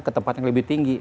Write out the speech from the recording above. ke tempat yang lebih tinggi